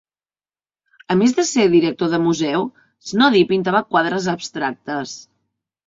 A més de ser director de museu, Snoddy pintava quadres abstractes.